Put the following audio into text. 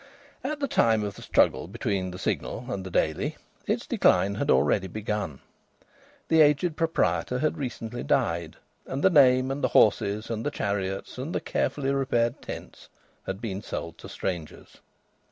At the time of the struggle between the Signal and the Daily its decline had already begun. The aged proprietor had recently died, and the name, and the horses, and the chariots, and the carefully repaired tents had been sold to strangers.